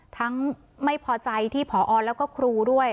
ทั้งไม่พอใจที่ผอแล้วก็ครูด้วย